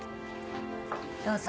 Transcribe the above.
どうぞ。